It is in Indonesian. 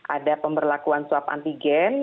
ada pemberlakuan swab antigen